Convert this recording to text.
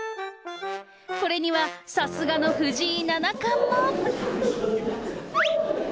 これには、さすがの藤井七冠も。